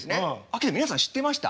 けど皆さん知ってました？